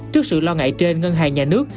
trước sự lo ngại trên ngân hàng nhà nước